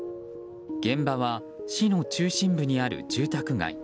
現場は市の中心部にある住宅街。